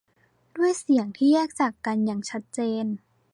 ด้วยเสียงที่แยกจากกันอย่างชัดเจน